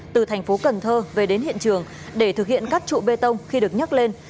từ thành phố cần thơ về đến hiện trường để thực hiện các trụ bê tông khi được nhắc lên